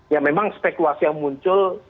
ya memang spekulasi yang muncul